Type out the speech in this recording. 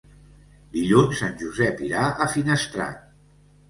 Dilluns en Josep irà a Finestrat.